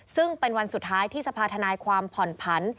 ซึ่งเป็นวันสุดท้ายที่สภาธนายความผ่อนผัน